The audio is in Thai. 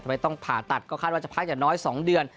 ไม่ต้องผ่าตัดก็คาดว่าจะพักอย่างน้อย๒เดือน